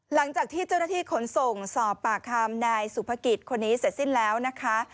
หลังจากที่เจ้าหน้าที่ขนส่งสอบปากคำนายสุภกิจคนนี้เสร็จสิ้นแล้วนะคะ